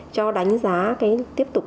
cho đánh giá tiếp tục